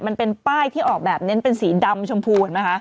มันเป็นป้ายที่ออกแบบเน้นเป็นสีดำชมพูเห็นไหมคะ